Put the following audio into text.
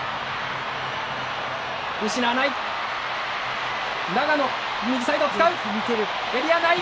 失わない！